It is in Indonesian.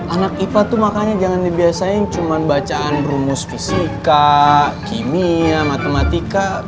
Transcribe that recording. anak ipa tuh makanya jangan dibiasain cuma bacaan rumus fisika kimia matematika